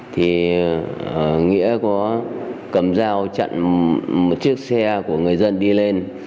thì nghĩa có cầm dao chặn một chiếc xe của người dân đi lên